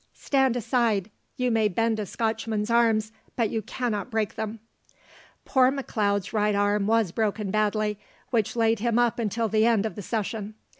"Stand aside, you may bend a Scotchman's arms, but you can't break them." Poor McLeod's right arm was broken badly, which laid him up until the end of the session.